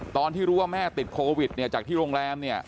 ตอนที่รู้ว่าแม่ติดโควิดเนี่ยจากที่โรงแรมเนี่ย